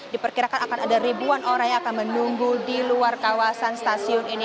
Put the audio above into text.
diperkirakan akan ada ribuan orang yang akan menunggu di luar kawasan stasiun ini